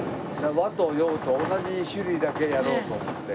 和と洋と同じ種類だけやろうと思って。